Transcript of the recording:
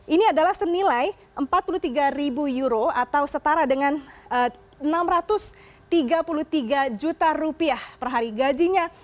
ini adalah senilai empat puluh tiga ribu euro atau setara dengan enam ratus tiga puluh tiga juta rupiah per hari gajinya